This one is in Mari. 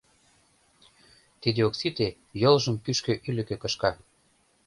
Тиде ок сите — йолжым кӱшкӧ-ӱлыкӧ кышка.